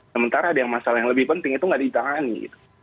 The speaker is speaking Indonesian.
sementara ada yang masalah yang lebih penting itu nggak ditangani